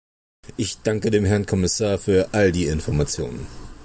Ich danke dem Herrn Kommissar für all die Informationen.